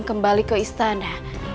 kembali ke istana